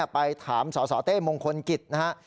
ไปถามสสเต้มงคลกิจนะครับ